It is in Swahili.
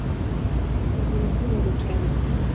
Mji mkuu ni Rutana.